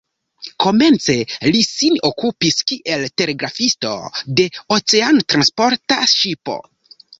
Komence li sin okupis kiel telegrafisto de oceanotransporta ŝipo.